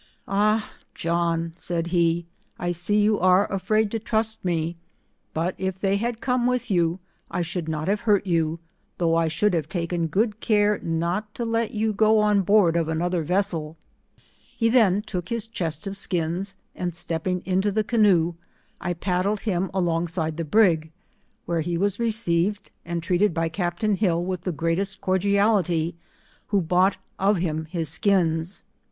" Ah John," said he, " I see you are, afraid to trust me, but if they had come with you, I should not have hurt you, though I should have taken good care not to let you go on board of another vessel.'* He then took his chest of skins, and step ping into the canoe, I paddled him along side the brig, where he v/as received and treated by Cap tain Hill with the greatest cordiality, who bought of him his skins.